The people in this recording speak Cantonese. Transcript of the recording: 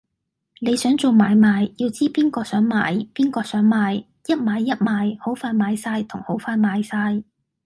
你想做買賣，要知邊個想買，邊個想賣，一買一賣，好快買哂同好快賣晒